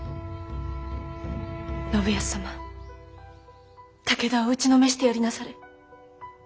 信康様武田を打ちのめしてやりなされ。